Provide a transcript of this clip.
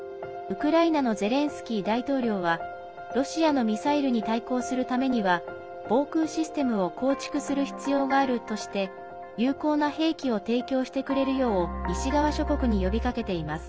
ウクライナのゼレンスキー大統領はロシアのミサイルに対抗するためには防空システムを構築する必要があるとして有効な兵器を提供してくれるよう西側諸国に呼びかけています。